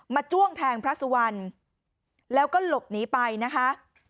จ้วงแทงพระสุวรรณแล้วก็หลบหนีไปนะคะ